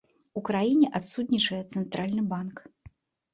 У краіне адсутнічае цэнтральны банк.